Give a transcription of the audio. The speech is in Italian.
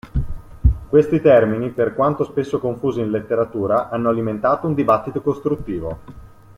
Questi termini, per quanto spesso confusi in letteratura, hanno alimentato un dibattito costruttivo.